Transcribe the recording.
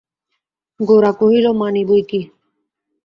গোরা কহিল, মানি বৈকি।